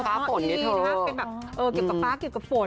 เป็นแบบเออเก็บกับป๊าเก็บกับฝน